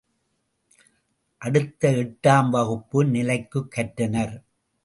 அடுத்து எட்டாம் வகுப்பு நிலைக்குக் கற்றனர்.